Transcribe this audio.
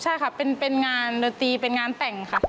ใช่ค่ะเป็นงานดนตรีเป็นงานแต่งค่ะ